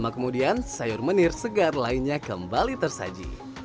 tak lama kemudian sayur menir segar lainnya kembali tersaji